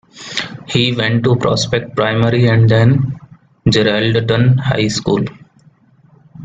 He went to Prospect Primary and then Geraldton High School.